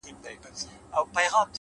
علم د فکر وسعت پراخوي,